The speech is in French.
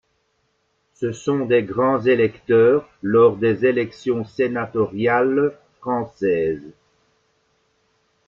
Ce sont des grands électeurs lors des Élections sénatoriales françaises.